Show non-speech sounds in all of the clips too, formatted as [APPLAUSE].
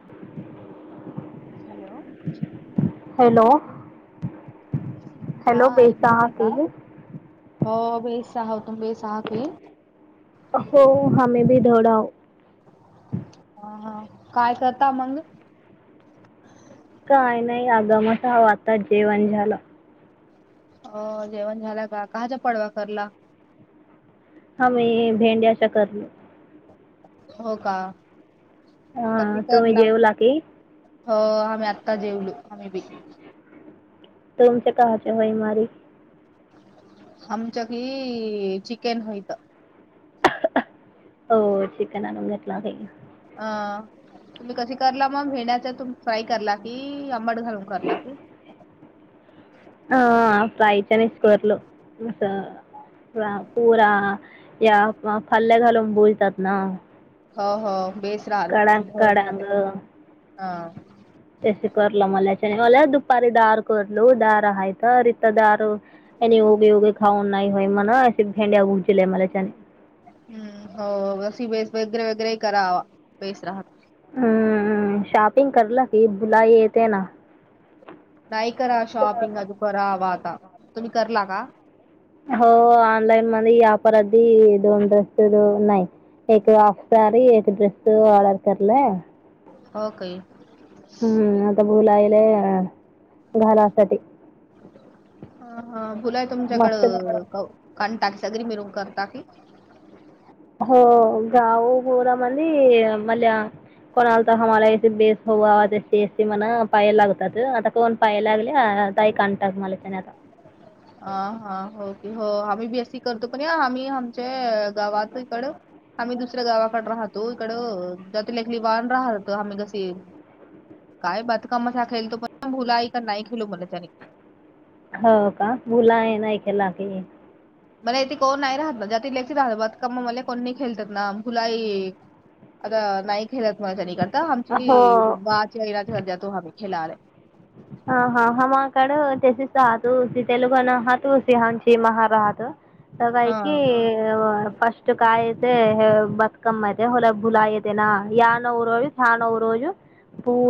[INAUDIBLE] Hello. Hello हा hello ऐक बेसहा येते का किरी. हो बेस सह होतुम बेस आह कई. [UNINTELLIGIBLE] हो हमे भी दौडाव. हा हा काय करता मग? काय नाही आगामच ह आता जेवण झालं. हो जेवण झालं का काचा पडवा करला. [UNINTELLIGIBLE] हा मी भेंडच्या करणी. हो का हा कशी तुम्ही करला. जेवला की हो आम्ही आत्ता जेवलो आम्ही बी. तुमचे काहच्या भाय मारी. आमच्या की चिकन होयतं. हो चिकन आणून घेतला बाईन अ तुम्ही कशी करला मग भेण्याच्या तुम फ्राय करला. की आंबाड घालून करला क. [UNINTELLIGIBLE] पुरा या फल्ल्या घालून बुजतात ना. हो हो बेसरा कडांग भ हात हा. तेस करलं मलाच्या मला दुपारी दार करल दार आहेत रत दार. एने ओगे वगे खाऊन नाही होय म खेंडी हु जले मले त्याने. [UNINTELLIGIBLE] हम्म शॉपिंग करलं की बुला येते ना. [UNINTELLIGIBLE] नाही करा शॉपिंग अजू करावा आता तुम्ही करला का? [UNINTELLIGIBLE] एक हाफ सारी एक ड्रेस ऑर्डर करलं. हो काही. हम्म आता बुलालेय घालासाठी. अ हा भुलाय मस्त तुमच्याकडं का ओ काणता की सगरी मिरून करता की. [UNINTELLIGIBLE] हो गाऊ घोरमली मली मल्या. [UNINTELLIGIBLE] म पाय लागतात आता कोण पाय लागले तई कातात मलाच्या आता. अ हा हो हो आम्ही बीसी करतो पण या आम्ही आमच्या गावात इकड. आम्ही दुसऱ्या गावाकडे राहतो इकड जातलेली वान राहत आम्ही कस. काय बातकाम हा खेळतो पण भुलाई का नाही खेलू म्हला त्याने. हो का मुुला आहे ऐ केला की. मला इथे कोण नाही राहत ना ज्यातलेक्म राहत ब का मग मला कोणणी खेळतात ना खुलाई. आता नाही खेळत म त्यानीकडता हो आमची बाच्याणाची सध्या तो हम्ही खेलाले आहे. ह हा हा मा काड तेशी सह तू तेग नाह तू स हांची महारहत. [UNINTELLIGIBLE] तवा हा हायकी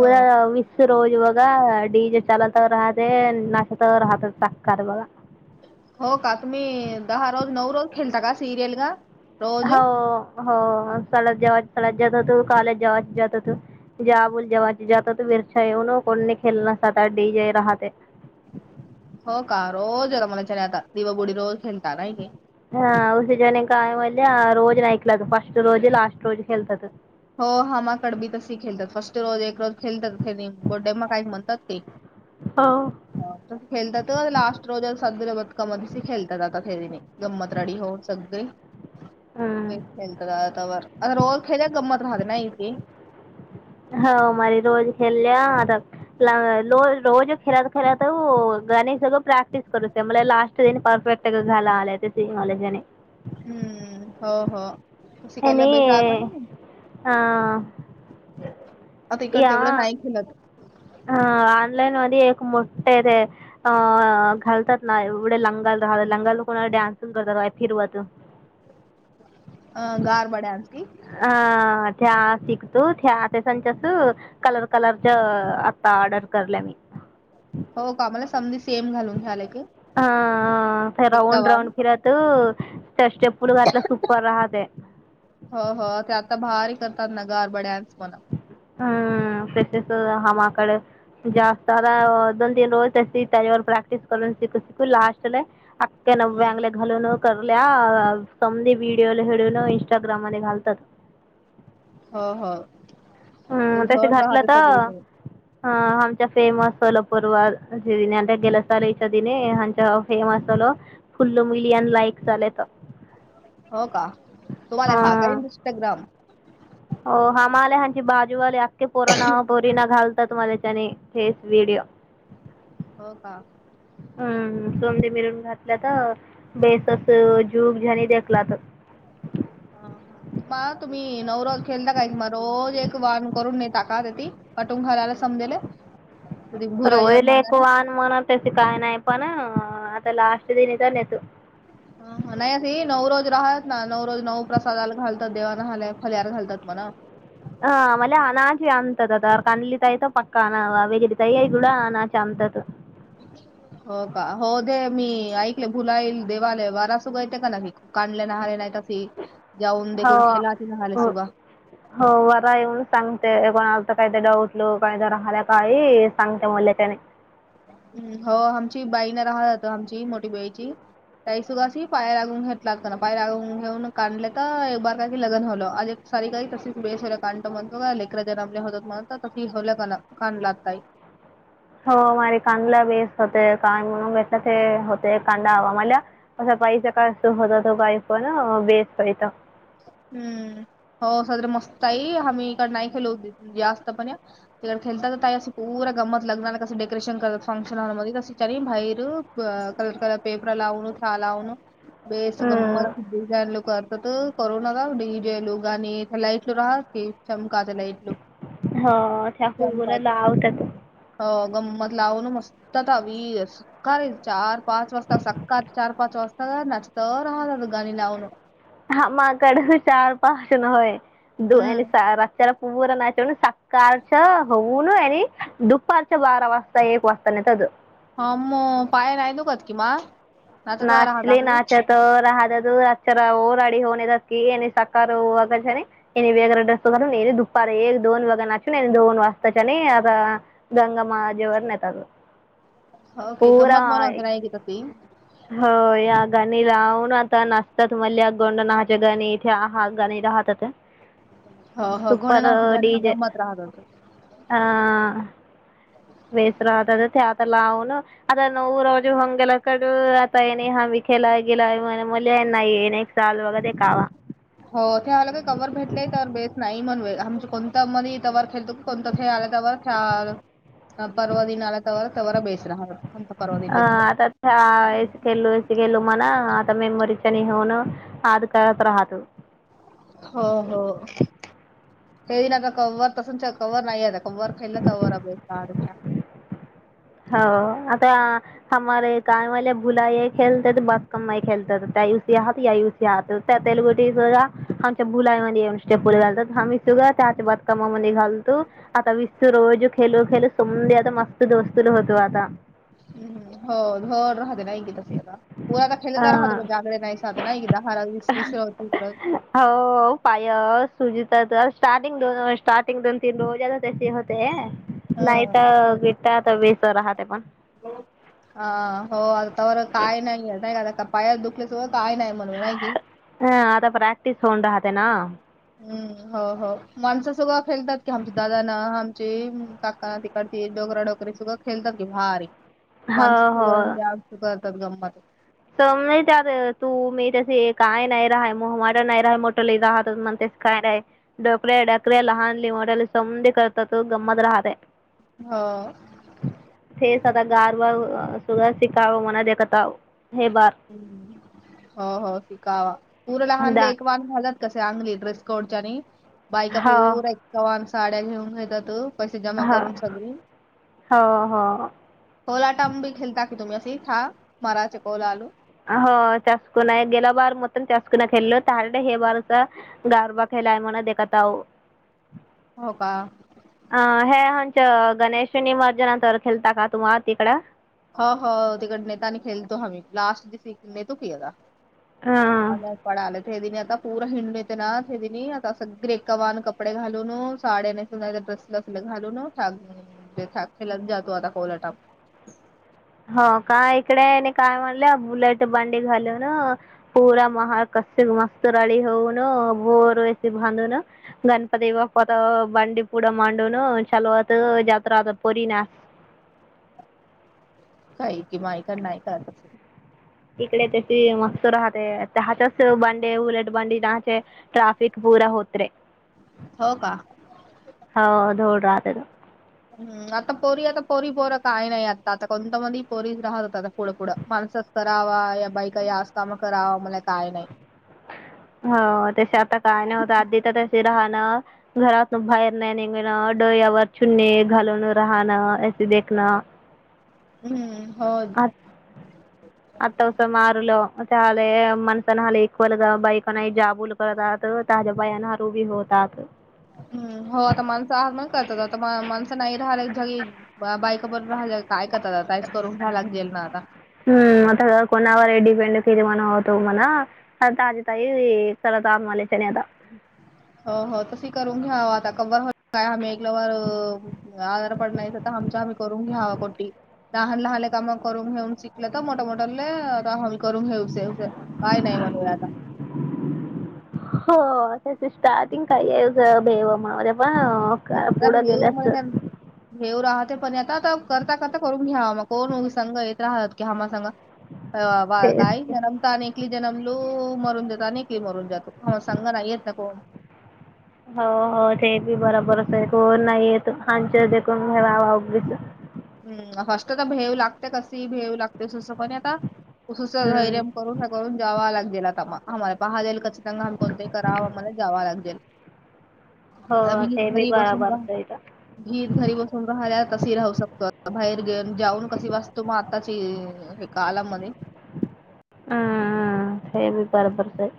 हा [UNINTELLIGIBLE] [UNINTELLIGIBLE] हो का तुम्ही दहा रोज नऊ रोज खेळता का सिरियल ग. हो हो स्ळ जेव स्ळत जात होतो कॉलेज जेव जात होतो. [UNINTELLIGIBLE] हो का रोज आला मलाच्याने आता दिवाबुडी रोज खेणता नाही. [UNINTELLIGIBLE] [UNINTELLIGIBLE] हो हामा कड बी तस खेळतात फर्ट रोज एक रोज खेळतात बोडे मग काही म्हणतात का. [UNINTELLIGIBLE] हो. त खेळतात लास्ट रोज स बतकाममध्ये खेळतातता फेरीने गंमत राडी हो सगळे बेस खेळतारया वर आता रोज खेळ्या गमत राहते नाहीय ती. हो मारी रोज खल्ल्या अताक पला लो रोज खेळत खेळत हो गाणी सगळं प्रॅक्टिस करूते मला लास्ट तेन परफेक्ट झाला आलाय त्याचे मॉलेजने. हम्म हो हो पशी कला बेस राहात. [UNINTELLIGIBLE] हा.. आता इकड तेवढं नाही खेलत. हा ऑनलाईन मध्ये एक मोठे ते अ घालतात ना एवढे लंगाल राहतात लंगाल कोणा डान्स करतात बाय फिरवत अं गार बड्या आणती. हा त्या शिकतो त्या ते संचासू. कलर कलरच्या आता ऑर्डर करल्या मी. हो का मला समजी सेम घालून घ्यायलाय की. हा एक राऊंड गव्हाण राऊंड फिरत स्टप. [UNINTELLIGIBLE] टला सूपर राहते हो हो ते आता भारी करतात ना गारबड्यांस म्हणा. हम्म तसेच हा माकड जास्ता दाव दल दिन रोज तेसी त्यावर प्रॅक्टीस करून सिक सिकू लास्टले. आत त्याना हम्म. वांगल्या घालून करूल्या समदी व्हिडिओला हेळून इंस्टाग्राम मध्ये घालतात. हो हो.. ते हम् तस धड घातलं राहते तर सगळी मिळून अ आमच्या फेमस असल पूर्व दिने अ गेलसारीच्या दिऋ आच्या फेमस सलो फुल्ल मिलियन लाईक झाले तर. हो का तुम्हाला हा का इन्स्टाग्राम हो हमाले हची बाजूवाली अख्खे पोरोना बोरीना घालतात तुम्हालाच्याने हेस व्हिडीओ हो का हम्म सोमंदी मिरून घातल्या तर बेस असं जूक झनी देखला तर [INAUDIBLE] मला तुम्ही नवररोज खेळता काय म रोज एक वान करून नेता का ते ती? वाटून घालायला समजेले [UNINTELLIGIBLE] भुला ये म्हणा आहे. म्हणतेस तस काय नाही पण आता लास्ट दिन तर येतो. हा हा नाय सी नऊरोज राहत ना नऊ रोज नऊ प्रसादाला घालतात देवाना हालेय फल्यार घालतात म्हणा. हा आम्हाला अनाची आमतता तयार कानली तयतो पक्का अना वेगडी तयई गुड अनाच अमतात. हो का हो दे मी ऐकले भुलाईल देवालय वारासुगा येते का नाही. काढले नहाले नाही तासी जाऊन हो देखून खेला ती नले हो सुगा. हो वरा येऊन सांगते कोणाच काहीत डाऊटल काही तर राहिल्या काही सांगते मला त्याने. हो आमची बाईना राहत जात आमची मोठी बाईची. त्याहीसगाशी पाय लागून घेत लागत ना पाय लागून घेऊन काढले तर एक बार का लगन होलं आजे सारी काही तशीच बेसला जर जयकान त म्हणतो का लेकर जन आपल्या होतात म्हणत तशी हवल्या कान कान लागताय. [UNINTELLIGIBLE] हो म कांदाला बेस होते का म्हण होते कांदा हवा मला असा पैसा काय असं होता तो पाय पण वेस पैचा. हम्म हो साजर मस्त आई आम्ही इकडं नाही खेल होते जास्त पण या तिकडे खेळतात तर ताही असे पूरा गंमत लग्ना आणि कसं डेकोरेशन करतात फंक्शन हॉलमध्ये तने बाहेर. [UNINTELLIGIBLE] कलर कलर पेपर लावन लावन [UNINTELLIGIBLE] करू नका डी जे लो गाणी त्याला इटलं राहा की चमकातेला इटलो. हा त्या खुबुऱ्या लावत्यात. हो गंमत लावून मस्त तावीस. खर चार पाच वाजता सकात चार पाच वाजता का नचत राहत गाणी लावून. हा माकड चार पाच न व्हय. दो आणि हम्म रातच्याला पूर नाचवण कालचं होऊन आणि दुपारच्या बारा वाजता एक वाजता नेतात. हा मग पाय राहिलो कत किमा. नाचले नाचत तर राहत तो अचारा ओ राडी होऊन येतात की त्याने सकार हो कशाने. आणि वेगरं ड्रेस घालून याने दुपारे एक दोन वगा नाचून दोन वाजताच्या आणि आता गंगा माजेवर नेतात. होके पूरा गमत म्हणवं नाय ही घेतात ही. हो या गाणी लावून आता नाचतात मल्या गोंड नाहच्या गाणीत. त्या हा गाणे राहतात, घोडे सुपर नाच गाणी डीजे. गंमत राहत होतं. आ. वेस राहत ते आता लावून आता नऊ रोजे होऊन गेले [UNINTELLIGIBLE] आतायणी हब केेला गेलाय [UNINTELLIGIBLE] चाल वगैरे कावा. हो ते आलं का कवर भेटले तर बेस नाही म्हण आमच्या कोणत्या मध्ये तवर खेलतो. [UNINTELLIGIBLE] [UNINTELLIGIBLE] पर्वा अं आता या इसकेल्लो इसकेल्लो [UNINTELLIGIBLE] राहत. हो हो. तेई ना आता कव्वर तसूनचा कवर नाही आता कव्वर खायला कव्वर पे सारख्या. हो, आता. [UNINTELLIGIBLE] त्या [UNINTELLIGIBLE] तेलगुटी स बघा. आमच्या भुलामध्ये येऊन स्टेप पुढे घालत्यात. आम्ही तिचं त्यात कामामध्ये घालतो. आता विसतू रोज खेलू खेलू समधे आता मस्त दोस्त तुलं होतो आता. हम्म हो घर राह हा [UNINTELLIGIBLE] हव हाव पाय सुजता तर स्टार्टिंग दोन स्टार्टिंग दोन तीन रोज यालत तशी होते, हं. नाहीतर विटात व्यस्त राहते पण. [INAUDIBLE] आ हो आलता वर काय नाही आहे नाही का आता पाया दुखल्यासो काय नाही म्हणवे नाही की.. हं आता प्रॅक्टिस होऊन राहते ना. हम्म हो हो माणसं सगळं खेळतात की, आमचे दादा ना आमचे काका ना ते. ते डोकरा डोकरी सुद्धा खेळतात की भारी, हो माणसं हो सुदान जास्त करतात गंमत. तम्ही त्यात तू मी तसे काय नाही राहाय, मोह माय नाही राहा मोठंल राहत म्हणतेत. काय नाय डोकऱ्या डकऱ्या लहान ले मोठ्या सौंदी करत तो गंमत राहत्या. हो. हेच आता गारवाव, सुगा शिकावं मना देखताव हे बार. [UNINTELLIGIBLE] [UNINTELLIGIBLE] पैसे दा हो जमा हो करून सगळी हो हो [UNINTELLIGIBLE] [UNINTELLIGIBLE] गारवा [UNINTELLIGIBLE] हो का. अ हे आच गणेश ने माझ्या नंतर खेळता का तुम्हा तिकडं. हो हो तिकड नेता आणि खेळतो हम्ही लास्ट दिस नेतो की जा. हा. अ पड आले ते दिनी आता पूर्व हिंडून येते ना‍, ते दिनी आता सगळेेकावान कप. कपडे घालून साड्या, ड्रेस ला घालून. ते साक्षीलाच जातो, आता कोला टाप. हो का इकडे यांनी काय? म्हणलं बुलेट बांडी घाल न पूरा महार कसे मस्त रडी होऊ न बोर व्हायचे भांडण [UNINTELLIGIBLE] गणपती बाप्पाच बंडी पूड मांडन चालवात जत्रा आता पोरी ना [UNINTELLIGIBLE] काही की मायक नाही का त [UNINTELLIGIBLE] इकडे ते ते, मस्त राहते त्याहाच्याच बांडे उलट बांडी दहाचे ट्राफिक पूरा होत रे [UNINTELLIGIBLE] हो का? हौ धौराते र हम्म आता पोरी आता पोरी पोरा काही नाही आता आता कोणत मंद पोरी राहत आता पुढं पुढं मानसात [UNINTELLIGIBLE] करावा या बाईका या आस्तामा करावा मले काय नाही [UNINTELLIGIBLE] हो तसे आता काय नवतं आदीचे तसे राहणं [UNINTELLIGIBLE] घरातून बाहेर नाही, निघणं डोळ्यावर चुन्नी घालून राहणं असे देखणं. हम्म, हो [INAUDIBLE] अतावस मारलं चाले, मन सनहाले एकक्वल बैक नाही जाबूल करतात ताजा बयानार उभी होतात [UNINTELLIGIBLE] हम्म, हो आता माणसं आगमन करतात आता माणसं नाही राहला जग बायका पण राहाला काय करतात, का करून घ्यायला ला जेल ना आता. हम्म आता कोणावरही डिपेंड किती म्हणा होतो म्हणा [UNINTELLIGIBLE] ताजी ताई तला ताम मले चने आता [UNINTELLIGIBLE] हो हो तस करून घ्या आता क्हवर होल काय आम्ही एकल्यावर आजार पड नाहीयचा तर आमच्या आम्ही करून घ्यावा कोटी [UNINTELLIGIBLE] काय नाही म्हणूया आता [INAUDIBLE] [UNINTELLIGIBLE] का पुढं गेल्यासत. हेऊ राहते पण आता आता करता करता करून घ्यावा मग कोण संग येत राहतात की हमा संग ह वाय तेच काय की. जनम नकली जनमलो मरून जात नकली मरून जातो संघ नाहीय येत न कोन? [INAUDIBLE] हो हो ते बी बरोबरच आहे हो नाही येत हांच्या देखून घवावा उगच. [UNINTELLIGIBLE] करून हम्म जावा लागेल आता मग आम्हाला पाहालेल कचकन घाल कोणतही कराववा आम्हाला जाववा लागेल. हो आम्ही ते बी घरी बसून बराबरच आहे तर घरी बसून कसे राहू शक बाहेर घेऊन जाऊन कशी वाचतो मग आताची हे का आला मध्ये. हम हे बी बरोबरचाय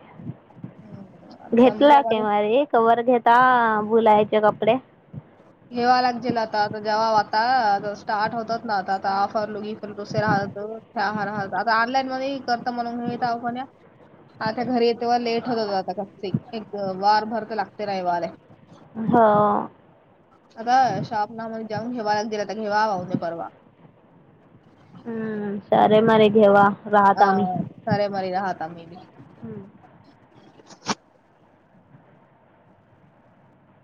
हम्म, घेटला की संध्यामध्ये मारी कवर घेता बुलायचे कपडे. [UNINTELLIGIBLE] [UNINTELLIGIBLE] [UNINTELLIGIBLE] हो. [UNINTELLIGIBLE] [UNINTELLIGIBLE] आम्ही [UNINTELLIGIBLE] हम्म